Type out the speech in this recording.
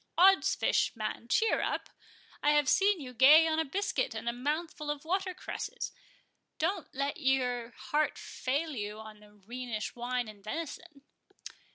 Oddsfish, man, cheer up! I have seen you gay on a biscuit and a mouthful of water cresses—don't let your heart fail you on Rhenish wine and venison."